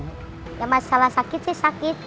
masalah sakit sih sakit